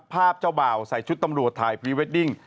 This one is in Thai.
เจ้าบ่าวใส่ชุดตำรวจถ่ายพรีเวดดิ้ง